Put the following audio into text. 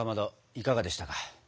いかがでしたか？